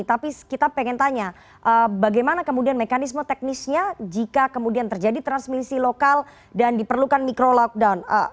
tapi kita pengen tanya bagaimana kemudian mekanisme teknisnya jika kemudian terjadi transmisi lokal dan diperlukan micro lockdown